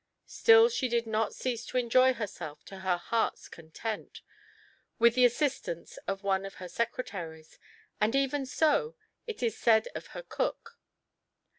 Still she did not cease to enjoy herself to her heart's content, with the assistance of one of her secretaries, and even so it is said of her cook.